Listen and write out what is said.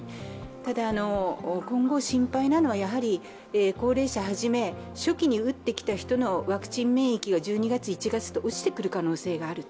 ただ、今後心配なのは高齢者を初め初期に打ってきた人のワクチン免疫が１２月、１月と落ちてくる可能性もあると。